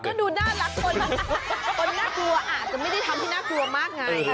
ก็ดูน่ารักคนน่ากลัวอาจจะไม่ได้ทำให้น่ากลัวมากไง